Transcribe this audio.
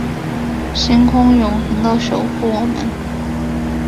星空永恒的守护我们